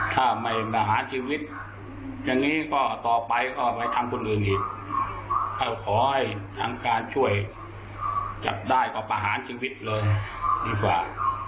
ทำการช่วยจับได้กว่าประหารชีวิตเลยดีกว่า